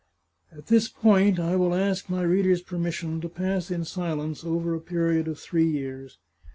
At this point I will ask my readers' permission to pass in silence over a period of three years.